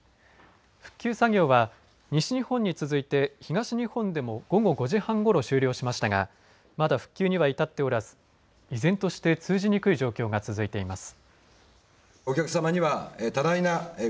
復旧作業は西日本に続いて東日本でも午後５時半ごろ終了しましたがまだ復旧には至っておらず依然として通じにくい状況が続いています。